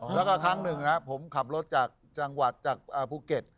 แล้วก็ครั้งหนึ่งนะผมขับรถจากจังหวัดจากภูเก็ต